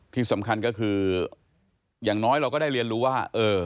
ที่สำคัญก็คืออย่างน้อยเราก็ได้เรียนรู้ว่า